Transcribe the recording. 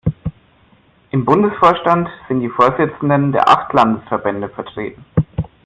Im Bundesvorstand sind die Vorsitzenden der acht Landesverbände vertreten.